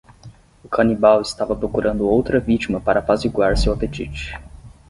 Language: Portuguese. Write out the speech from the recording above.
O canibal estava procurando outra vítima para apaziguar seu apetite.